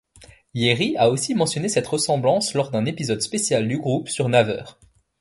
Yeri a aussi mentionné cette ressemblance lors d'un épisode spécial du groupe sur Naver.